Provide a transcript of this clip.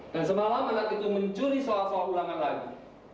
dan semalam anak itu mencuri soal soal ulangan lagi